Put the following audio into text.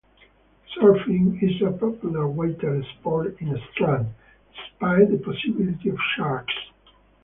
Surfing is a popular water sport in Strand, despite the possibility of sharks.